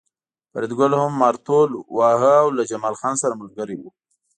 فریدګل هم مارتول واهه او له جمال خان سره ملګری و